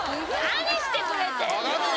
何してくれてんの！